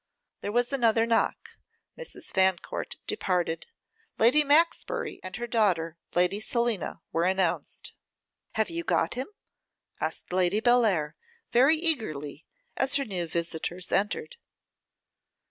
There was another knock. Mrs. Fancourt departed. Lady Maxbury, and her daughter, Lady Selina, were announced. 'Have you got him?' asked Lady Bellair, very eagerly, as her new visitors entered.